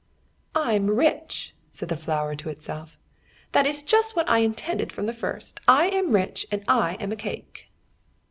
"I'm rich," said the flour to itself. "That is just what I intended from the first. I am rich and I am a cake."